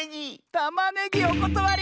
たまねぎおことわり！